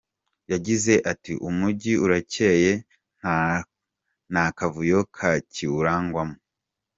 Yagize ati 'Umujyi urakeye, nta n'akavuyo kakiwurangwamo.